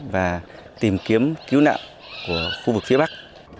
và tìm kiếm cứu nạn của khu vực phía bắc